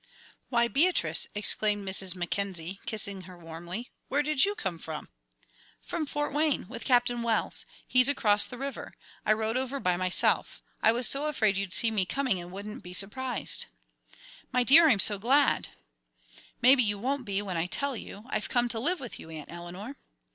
"Why, Beatrice!" exclaimed Mrs. Mackenzie, kissing her warmly. "Where did you come from?" "From Fort Wayne, with Captain Wells he's across the river. I rowed over by myself. I was so afraid you'd see me coming and wouldn't be surprised." "My dear! I'm so glad!" "Maybe you won't be, when I tell you. I've come to live with you, Aunt Eleanor."